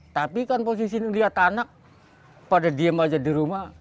tapi kan posisi melihat anak pada diem aja di rumah